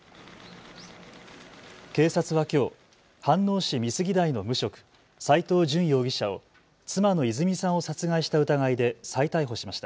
警察はきょう飯能市美杉台の無職、斎藤淳容疑者を妻の泉さんを殺害した疑いで再逮捕しました。